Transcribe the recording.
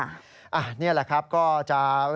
และอาจจะมีบางรายเข้าขายช่อกงประชาชนเพิ่มมาด้วย